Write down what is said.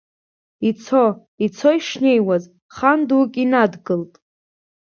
Ицо, ицо ишнеиуаз, хан дук инадгылт.